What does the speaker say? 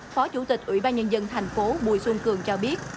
phó chủ tịch ủy ban nhân dân thành phố bùi xuân cường cho biết